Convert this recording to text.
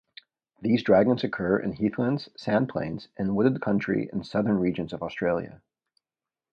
These dragons occur in heathlands, sandplains, and wooded country in southern regions of Australia.